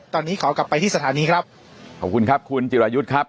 ตอนนี้ขอกลับไปที่สถานีครับขอบคุณครับคุณจิรายุทธ์ครับ